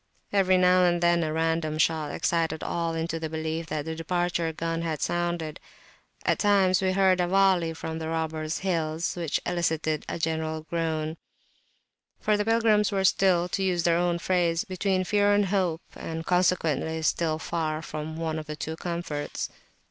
Every now and then a random shot excited all into the belief that the departure gun had sounded. At times we heard a volley from the robbers hills, which elicited a general groan, for the pilgrims were still, to use their own phrase, between fear [p.55] and hope, and, consequently, still far from one of the two comforts.